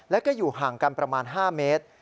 แล้วก็อยู่ห่างกันประมาณ๕เมตร